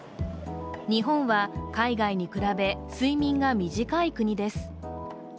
日本は海外に比べ、睡眠が短い国です。